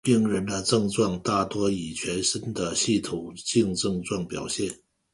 病人的症状大多以全身的系统性症状表现。